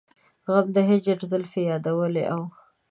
غم د هجر زلفې يادولې او